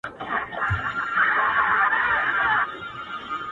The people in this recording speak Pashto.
زما د ژوند هره شيبه او گړى,